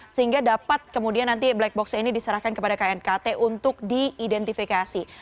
sehingga dapat kemudian nanti black box ini diserahkan kepada knkt untuk diidentifikasi